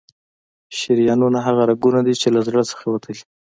شریانونه هغه رګونه دي چې له زړه څخه وتلي.